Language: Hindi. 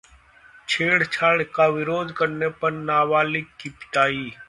छेड़छाड़ का विरोध करने पर नाबालिग की पिटाई